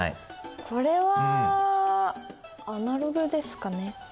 これはアナログですかね。